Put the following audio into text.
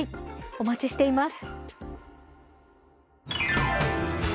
お待ちしています。